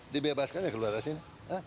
dibebaskan ya keluar dari sini